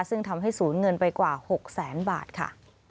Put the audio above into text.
ซึ่งทำให้สูญเงินไปกว่า๖๐๐๐๐๐บาทค่ะ